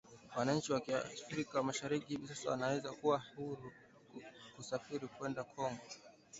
Wananchi wa Afrika Mashariki hivi sasa wanaweza kuwa huru kusafiri kwenda Kongo iwapo vikwazo vya kusafiri na biashara